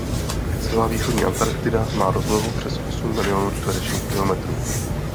Celá Východní Antarktida má rozlohu přes osm miliónů čtvereční kilometrů.